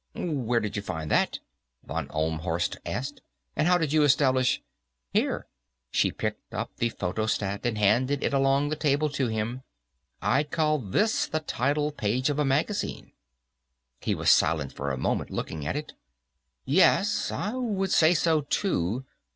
"Where did you find that?" von Ohlmhorst asked. "And how did you establish ?" "Here." She picked up the photostat and handed it along the table to him. "I'd call this the title page of a magazine." He was silent for a moment, looking at it. "Yes. I would say so, too.